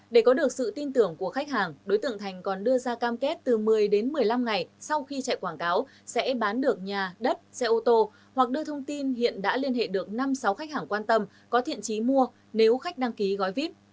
để có được sự tin tưởng của khách hàng đối tượng thành còn đưa ra cam kết từ một mươi đến một mươi năm ngày sau khi chạy quảng cáo sẽ bán được nhà đất xe ô tô hoặc đưa thông tin hiện đã liên hệ được năm sáu khách hàng quan tâm có thiện trí mua nếu khách đăng ký gói vip